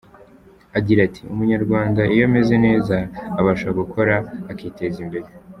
Agira ati “Umunyarwanda iyo ameze neza abasha gukora akiteza imbere.